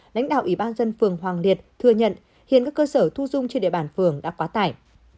lãnh đạo ủy ban dân phường hoàng liệt thừa nhận hiện các cơ sở thu dung trên địa bàn phường đã quá tải